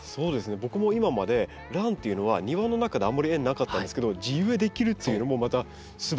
僕も今までランというのは庭の中であまり縁なかったんですけど地植えできるっていうのもまたすばらしいなと思って。